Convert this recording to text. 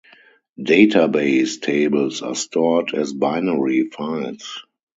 Database tables are stored as binary files.